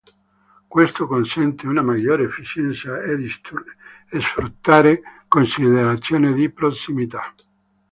Questo consente una maggiore efficienza e di sfruttare considerazioni di prossimità.